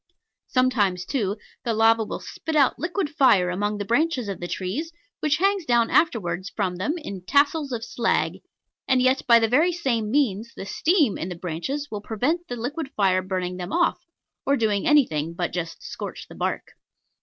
Sometimes, too, the lava will spit out liquid fire among the branches of the trees, which hangs down afterwards from them in tassels of slag, and yet, by the very same means, the steam in the branches will prevent the liquid fire burning them off, or doing anything but just scorch the bark.